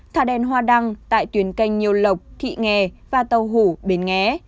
thả đèn hoa đăng tại tuyến canh nhiêu lộc thị nghè và tàu hủ bến nghé